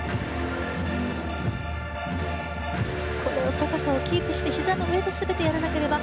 高さをキープしてひざの上で全てやらなければ。